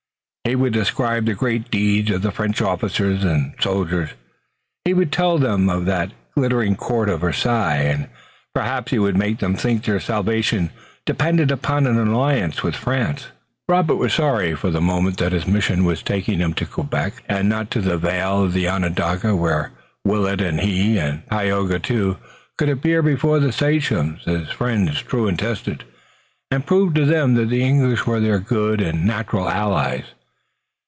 He would describe the great deeds of the French officers and soldiers. He would tell them of that glittering court of Versailles, and perhaps he would make them think their salvation depended upon an alliance with France. Robert was sorry for the moment that his mission was taking him to Quebec and not to the vale of Onondaga, where Willet and he and Tayoga too could appear before the sachems as friends true and tested, and prove to them that the English were their good and natural allies.